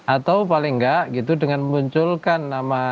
atau paling nggak gitu dengan memunculkan nama